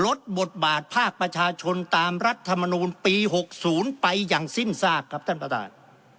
ลดบทบาทภาคประชาชนตามรัฐมนูลปี๖๐ไปอย่างสิ้นซากครับท่านประธาน